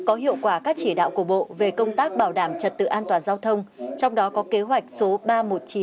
có hiệu quả các chỉ đạo của bộ về công tác bảo đảm trật tự an toàn giao thông trong đó có kế hoạch số ba trăm một mươi chín